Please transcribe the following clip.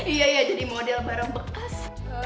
iya jadi model bareng bekas